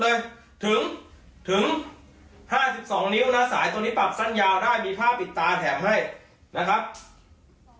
เลยถึงถึงห้าสิบสองนิ้วนะสายตรงนี้ปรับสั้นยาวได้มีผ้าปิดตาแถมให้นะครับ